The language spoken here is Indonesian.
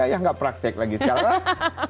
ayah gak praktek lagi sekarang